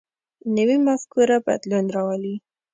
نوی مفکوره بدلون راولي